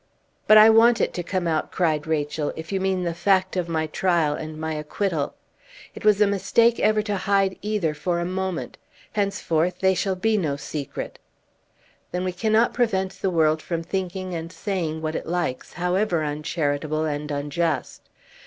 "But I want it to come out," cried Rachel; "if you mean the fact of my trial and my acquittal. It was a mistake ever to hide either for a moment. Henceforth they shall be no secret." "Then we cannot prevent the world from thinking and saying what it likes, however uncharitable and unjust.